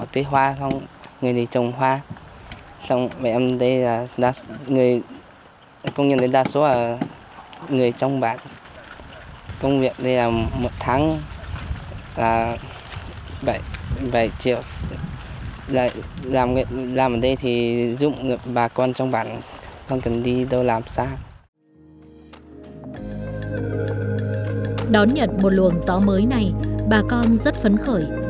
đón nhận một luồng gió mới này bà con rất phấn khởi